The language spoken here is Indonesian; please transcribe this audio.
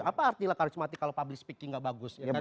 apa artilah karismatik kalau public speaking gak bagus